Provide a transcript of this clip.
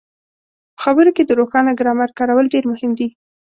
په خبرو کې د روښانه ګرامر کارول ډېر مهم دي.